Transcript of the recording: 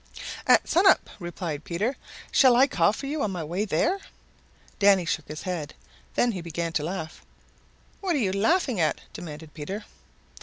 "At sun up," replied Peter. "Shall I call for you on my way there?" Danny shook his head. Then he began to laugh. "What are you laughing at?" demanded Peter.